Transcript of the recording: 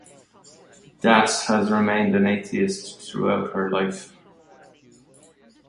Das has remained an atheist throughout her life.